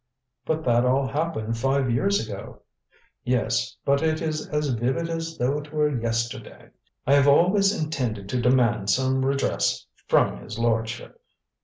"But that all happened five years ago " "Yes, but it is as vivid as though it were yesterday. I have always intended to demand some redress from his lordship.